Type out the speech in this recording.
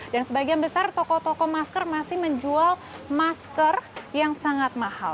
dan sebagian besar toko toko masker masih menjual masker yang sangat mahal